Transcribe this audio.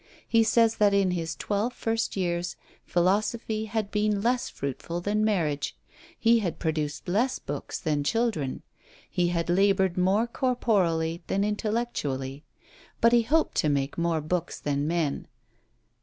He says that in his twelve first years, Philosophy had been less fruitful than marriage; he had produced less books than children; he had laboured more corporally than intellectually; but he hoped to make more books than men.